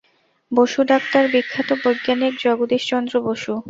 Basu, doctor বিখ্যাত বৈজ্ঞানিক জগদীশচন্দ্র বসু।